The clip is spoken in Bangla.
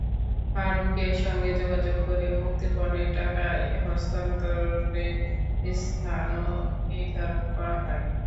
ফারুকের সঙ্গে যোগাযোগ করে মুক্তিপণের টাকা হস্তান্তরের স্থানও নির্ধারণ করা হয়।